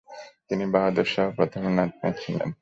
তিনি বাহাদুর শাহ প্রথমের নাতি ছিলেন।